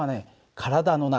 体の中